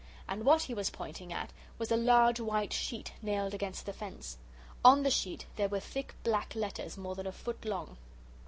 And what he was pointing at was a large white sheet nailed against the fence. On the sheet there were thick black letters more than a foot long.